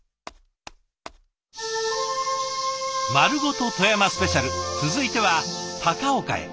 「まるごと富山スペシャル」続いては高岡へ。